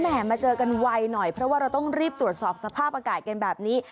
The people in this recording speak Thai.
มาเจอกันไวหน่อยเพราะว่าเราต้องรีบตรวจสอบสภาพอากาศกันแบบนี้